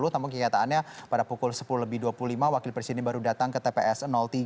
tapi kekataannya pada pukul sepuluh lebih dua puluh lima wakil presiden baru datang ke tps tiga di jam beratnya